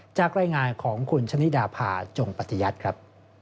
จากรายงานของคุณชะนิดาพาจงปฏิยัติครับ